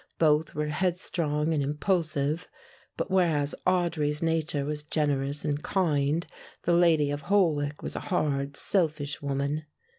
Both were headstrong and impulsive, but whereas Audry's nature was generous and kind, the lady of Holwick was a hard selfish woman.